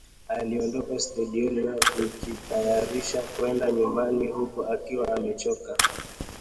Aliondoka studioni na kujitayarisha kwenda nyumbani huku akiwa amechoka